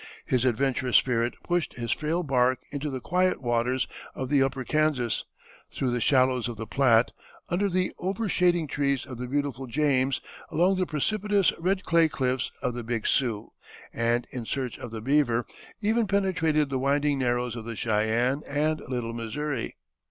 His adventurous spirit pushed his frail bark into the quiet waters of the upper Kansas, through the shallows of the Platte, under the overshading trees of the beautiful James, along the precipitous red clay cliffs of the Big Sioux, and, in search of the beaver, even penetrated the winding narrows of the Cheyenne and Little Missouri.